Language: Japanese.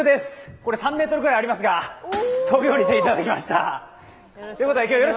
これ、３ｍくらいありますが、飛び降りていただきまた。